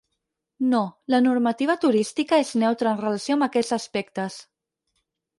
No, la normativa turística és neutre en relació amb aquests aspectes.